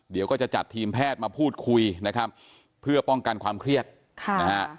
เดี๋ยวก็จะจัดทีมแพทย์มาพูดคุยนะครับเพื่อป้องกันความเครียดค่ะนะฮะ